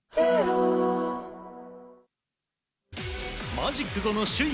マジック５の首位